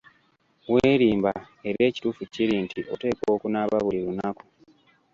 Weerimba era ekituufu kiri nti oteekwa okunaaba buli lunaku.